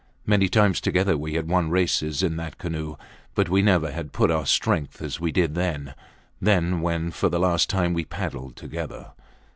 Many times, together, we had won races in that canoe. But we never had put out our strength as we did then then, when for the last time we paddled together!